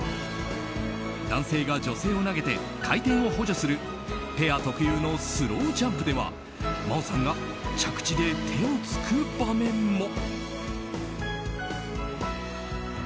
男性が女性を投げて回転を補助するペア特有のスロージャンプでは真央さんが着地で手をつく場面も。